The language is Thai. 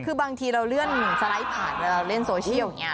คือบางทีเราเลื่อนสไลด์ผ่านเวลาเราเล่นโซเชียลอย่างนี้